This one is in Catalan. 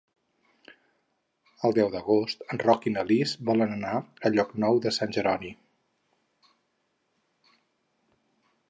El deu d'agost en Roc i na Lis volen anar a Llocnou de Sant Jeroni.